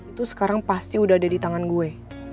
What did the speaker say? itu sekarang pasti udah ada di tangan gue